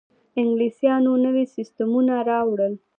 انګلیسانو نوي سیستمونه راوړل.